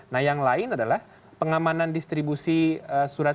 nah yang lain adalah pengamanan distribusi surat